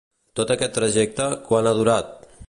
Tot aquest trajecte, quant ha durat?